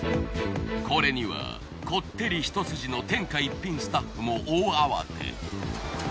これにはこってり一筋の天下一品スタッフも大慌て。